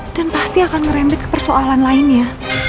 dan pasti akan ngerembit ke persoalan lainnya